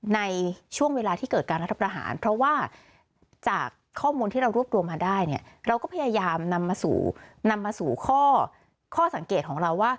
ในช่วงเวลาที่เกิดการรัฐประหาร